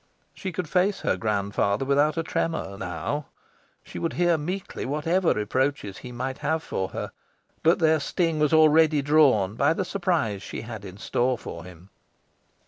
She could face her grandfather without a tremour now. She would hear meekly whatever reproaches he might have for her, but their sting was already drawn by the surprise she had in store for him.